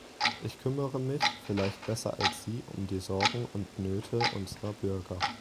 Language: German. Ich kümmere mich, vielleicht besser als Sie, um die Sorgen und Nöte unserer Bürger.